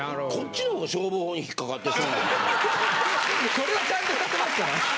これはちゃんとやってますから。